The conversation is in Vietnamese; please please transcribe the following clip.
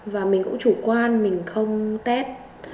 và mình cũng chủ quan mình không tết